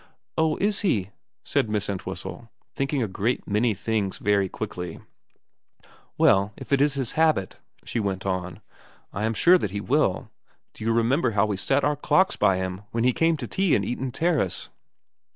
* Oh is he ?' said Miss Entwhistle, thinking a great many things very quickly. ' Well, if it is his habit,' she went on, ' I am sure too that he will. Do you remember how we set our clocks by him when he came to tea in Eaton Terrace